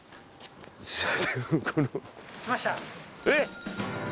えっ！